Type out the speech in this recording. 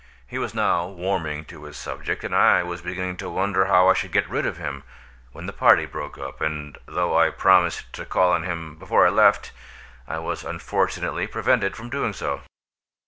" He was now warming to his subject and I was beginning to wonder how I should get rid of him, when the party broke up, and though I promised to call on him before I left, I was unfortunately prevented from doing so.